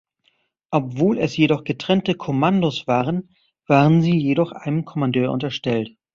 Obwohl es jedoch getrennte Kommandos waren, waren sie jedoch einem Kommandeur unterstellt.